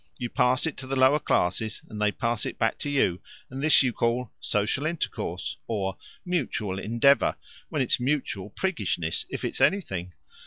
You pass it to the lower classes, and they pass it back to you, and this you call 'social intercourse' or 'mutual endeavour,' when it's mutual priggishness if it's anything.